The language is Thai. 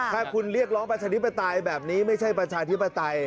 ถ้าคุณเรียกร้องประชาธิปไตยแบบนี้ไม่ใช่ประชาธิปไตย